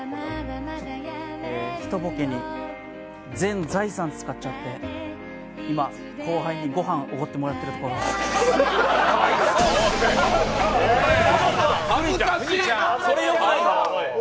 ひとぼけに全財産使っちゃって、今、後輩にごはんおごってしまってるところおい！